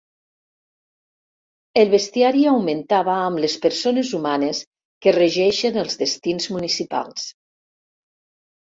El bestiari augmentava amb les persones humanes que regeixen els destins municipals.